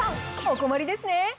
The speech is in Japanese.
お困りですね？